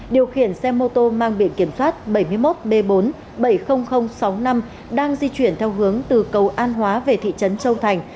điều khiển xe mô tô mang biện kiểm soát bảy mươi một b bốn bảy mươi nghìn sáu mươi năm đang di chuyển theo hướng từ cầu an hóa về thị trấn châu thành